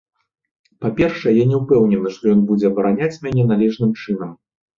Па-першае, я не ўпэўнены, што ён будзе абараняць мяне належным чынам.